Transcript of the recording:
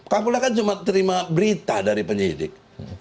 kapolda kan cuma terima berita dari penyidik